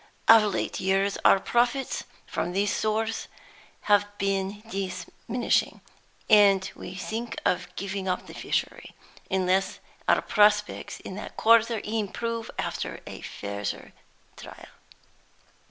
Of late years our profits from this source have been diminishing; and we think of giving up the fishery, unless our prospects in that quarter improve after a further trial.